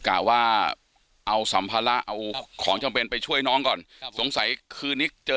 กะว่าเอาสัมภาระเอาของจำเป็นไปช่วยน้องก่อนครับสงสัยคืนนี้เจอ